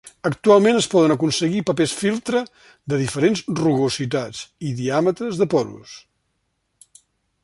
Actualment es poden aconseguir papers filtre de diferents rugositats i diàmetres de porus.